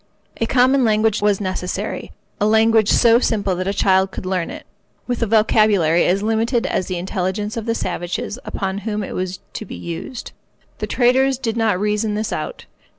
A common language was necessary—a language so simple that a child could learn it, with a vocabulary as limited as the intelligence of the savages upon whom it was to be used. The traders did not reason this out.